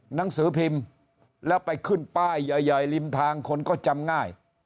หนังสือพิมพ์แล้วไปขึ้นป้ายใหญ่ริมทางคนก็จำง่าย